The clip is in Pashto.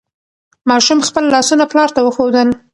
ماشوم خپل لاسونه پلار ته وښودل.